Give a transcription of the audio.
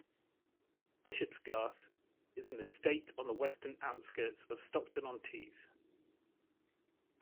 Bishopsgarth is an estate on the Western outskirts of Stockton-on-Tees.